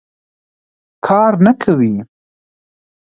کار نه کوي.